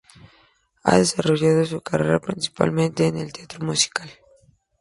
Ha desarrollado su carrera principalmente en el teatro musical.